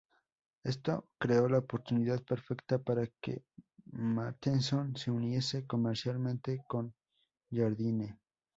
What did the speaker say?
Esto creó la oportunidad perfecta para que Matheson se uniese comercialmente con Jardine.